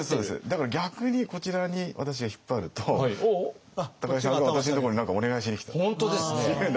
だから逆にこちらに私が引っ張ると高井さんが私のところに何かお願いしに来たっていうふうに。